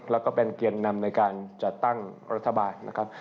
แล้วก็เป็นเกียรตินำในการจัดตั้งรัฐบาลนะครับ